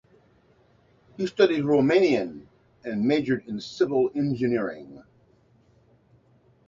He studied Romanian and majored in Civil Engineering.